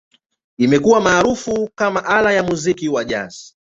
Imekuwa maarufu kama ala ya muziki wa Jazz.